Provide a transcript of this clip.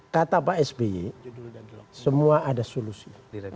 kata pak sby semua ada solusi